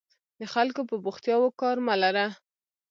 د خلکو په بوختیاوو کار مه لره.